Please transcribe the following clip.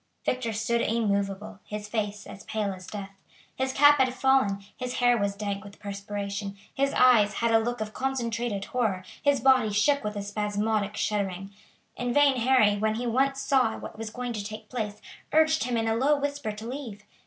Victor stood immovable, his face as pale as death. His cap had fallen off, his hair was dank with perspiration, his eyes had a look of concentrated horror, his body shook with a spasmodic shuddering. In vain Harry, when he once saw what was going to take place, urged him in a low whisper to leave.